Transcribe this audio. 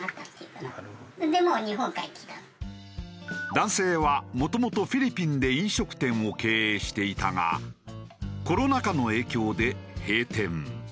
男性はもともとフィリピンで飲食店を経営していたがコロナ禍の影響で閉店。